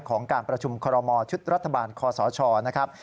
ของการประชุมคอรมอชุดรัฐบาลคอสชนะครับ